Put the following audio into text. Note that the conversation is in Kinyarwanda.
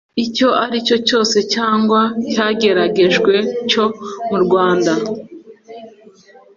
icyo aricyo cyose cyangwa cyageragejwe cyo mu rwanda